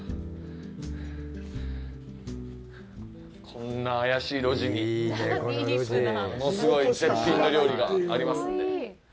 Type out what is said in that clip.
こんな怪しい路地に物すごい絶品の料理がありますんで。